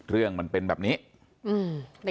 เรื่องมันเป็นแบบนี้อืม